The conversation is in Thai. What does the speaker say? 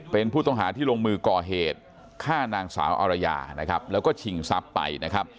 เป็นผู้ต้องหาที่ลงมือก่อเหตุฆ่านางสาวอารยาแล้วก็ฉิงซับไป